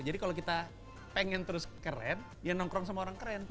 jadi kalau kita pengen terus keren ya nongkrong sama orang keren